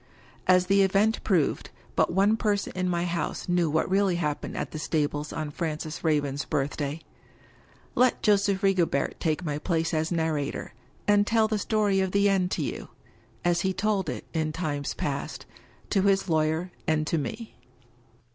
As the event proved, but one person in my house knew what really happened at the stables on Francis Raven's birthday. Let Joseph Rigobert take my place as narrator, and tell the story of the end to You — ^as he told it, in times past, to his lawyer and to Me.